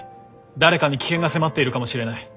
誰かに危険が迫っているかもしれない。